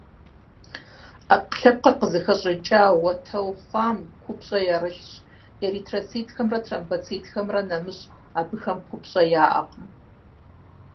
Ӏэпкълъэпкъыр къызыхэщӏыкӏа уэтэу хъуам купщӏэ ярылъщ, эритроцитхэмрэ тромбоцитхэмрэ нэмыщӏ — абыхэм купщӏэ яӏэкъым.